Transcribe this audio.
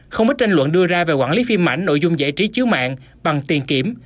không ít tranh luận đưa ra về quản lý phim ảnh nội dung giải trí chiếu mạng bằng tiền kiểm